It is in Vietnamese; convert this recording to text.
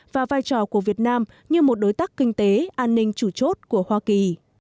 và vai trò của việt nam như một đối tác kinh tế an ninh chủ chốt của hoa kỳ